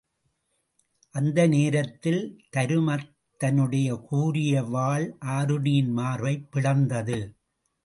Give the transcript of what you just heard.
அந்த நேரத்தில் தருமதத்தனுடைய கூரிய வாள் ஆருணியின் மார்பைப் பிளந்தது.